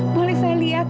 boleh saya lihat